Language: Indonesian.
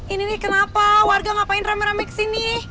ini nih kenapa warga ngapain rame rame kesini